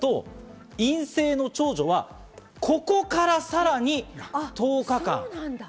陰性の長女はここからさらに１０日間。